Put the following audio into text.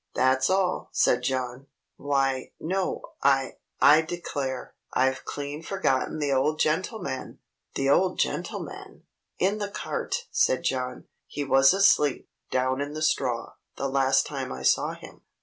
"That's all," said John. "Why no I I declare I've clean forgotten the old gentleman!" "The old gentleman?" "In the cart," said John. "He was asleep, down in the straw, the last time I saw him.